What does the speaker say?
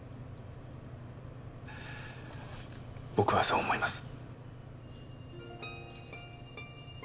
僕はそう思います。